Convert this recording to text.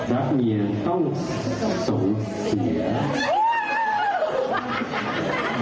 รักเมียต้องส่งเสีย